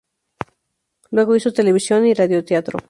Luego hizo televisión y radioteatro.